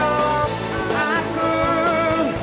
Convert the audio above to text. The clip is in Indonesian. tolong carikan diriku